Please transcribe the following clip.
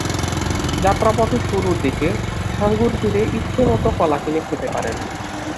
যাত্রাপথে শুরুর দিকে, সাঙ্গুর তীরে ইচ্ছেমত কলা কিনে খেতে পারেন।